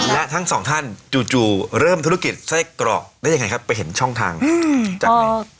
และทั้งสองท่านจู่เริ่มธุรกิจไส้กรอกได้ยังไงครับไปเห็นช่องทางจากไหน